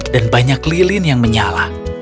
dan banyak lilin yang menyala